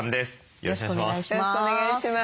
よろしくお願いします。